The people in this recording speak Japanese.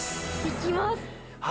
行きます